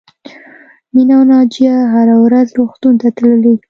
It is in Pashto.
مینه او ناجیه هره ورځ روغتون ته تللې